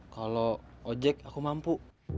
kalau ojek aku mampu